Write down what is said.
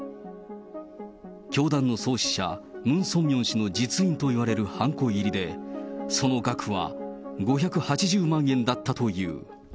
教団の創始者、ムン・ソンミョン氏の実印といわれるはんこ入りでその額は５８０万円だったという。